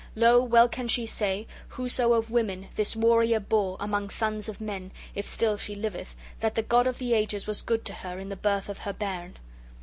Lo, well can she say whoso of women this warrior bore among sons of men, if still she liveth, that the God of the ages was good to her in the birth of her bairn.